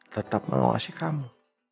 tetap mengawasi kamu